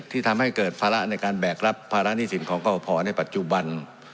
ที่ทำให้เกิดภาระในการแบกรับภาระหนี้สินของกรกภในปัจจุบัน